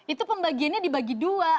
itu pembagiannya dibagi dua